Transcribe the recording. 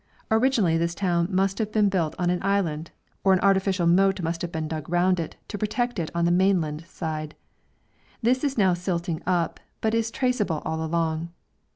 Originally this town must have been built on an island, or an artificial moat must have been dug round it to protect it on the mainland side; this is now silted up, but is traceable all along.